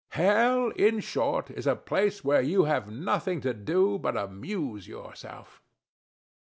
Hell, in short, is a place where you have nothing to do but amuse yourself.